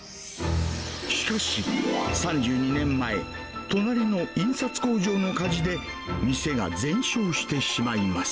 しかし、３２年前、隣の印刷工場の火事で、店が全焼してしまいます。